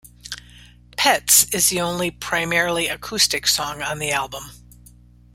"Pets" is the only primarily acoustic song on the album.